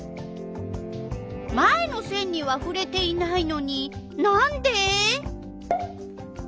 前のせんにはふれていないのになんで？